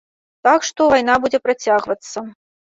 Так што, вайна будзе працягвацца.